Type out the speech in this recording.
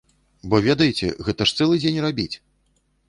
Бо ведаеце, гэта ж цэлы дзень рабіць!